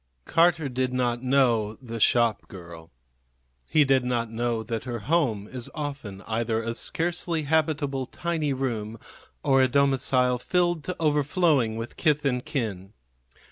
Carter did not know the shopgirl. He did not know that her home is often either a scarcely habitable tiny room or a domicile filled to overflowing with kith and kin.